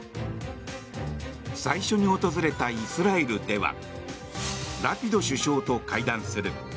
最初に訪れたイスラエルではラピド首相と会談する。